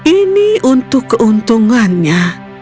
ini untuk keuntungannya